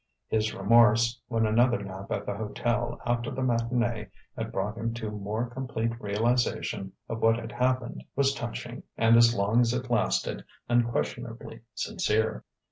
His remorse (when another nap at the hotel after the matinée had brought him to more complete realization of what had happened) was touching and, as long as it lasted, unquestionably sincere.